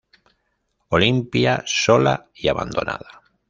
Olimpia, sola y abandonada.